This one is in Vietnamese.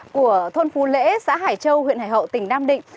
của thôn phú lễ xã hải châu huyện hải hậu tỉnh nam định